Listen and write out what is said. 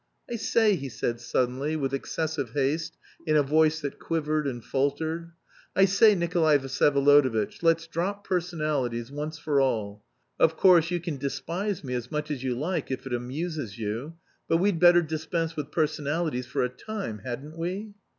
"I say," he said suddenly, with excessive haste in a voice that quivered and faltered, "I say, Nikolay Vsyevolodovitch, let's drop personalities once for all. Of course, you can despise me as much as you like if it amuses you but we'd better dispense with personalities for a time, hadn't we?"